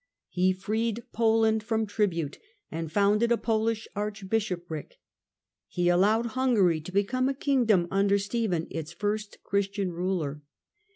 He freed Poland from tribute, and founded a Polish archbishopric. He allowed Hungary to become a kingdom under jphen, its first Christian ruler.